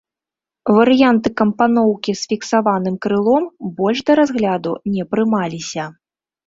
Варыянты кампаноўкі з фіксаваным крылом больш да разгляду не прымаліся.